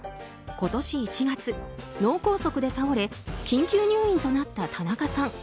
今年１月、脳梗塞で倒れ緊急入院となった田中さん。